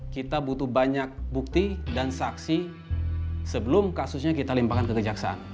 kita butuh banyak bukti dan saksi sebelum kasusnya kita limpahkan ke kejaksaan